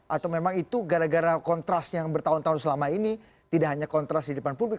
atau memang itu gara gara kontras yang bertahun tahun selama ini tidak hanya kontras di depan publik